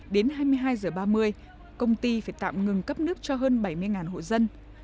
đến hai mươi hai h ba mươi công ty phải tạm ngừng cấp nước cho hơn bảy mươi hộ dân